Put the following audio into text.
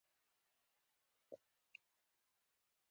احمد له محمود سره لانجه وکړه، دواړو یو بل ته پېغورونه ورکړل.